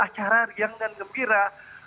acara riang dan gembira